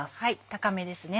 高めですね。